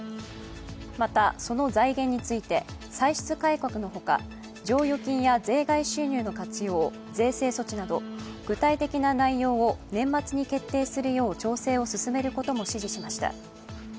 また、その財源について、歳出改革のほか、剰余金や税外収入の活用、税制措置など具体的な内容を年末に決定するよう調整を進めることも指示しました。